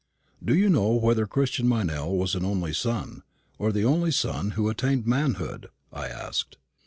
"Do you know whether Christian Meynell was an only son, or the only son who attained manhood?" I asked.